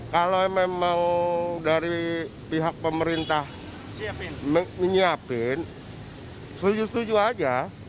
kalau memang dari pihak pemerintah menyiapkan setuju setuju aja